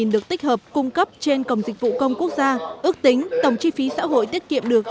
được tích hợp cung cấp trên cổng dịch vụ công quốc gia ước tính tổng chi phí xã hội tiết kiệm được